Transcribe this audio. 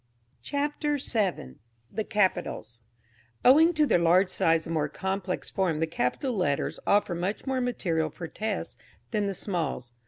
CHAPTER VII. THE CAPITALS. Owing to their large size and more complex form the capital letters offer much more material for tests than the smalls.